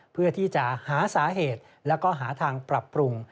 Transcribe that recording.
เพื่อที่จะหาสาเหตุแล้วก็หาทางปรับปรุง